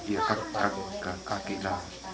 ya kaki lah